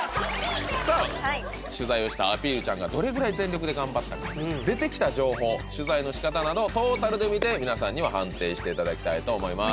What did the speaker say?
さあ取材をしたアピールちゃんがどれぐらい全力で頑張ったか出てきた情報・取材のしかたなどをトータルで見て皆さんには判定していただきたいと思います